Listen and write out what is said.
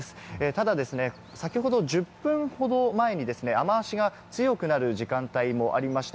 ただ先ほど、１０分ほど前に雨脚が強くなる時間帯もありました。